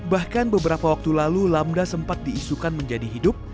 bahkan beberapa waktu lalu lamda sempat diisukan menjadi hidup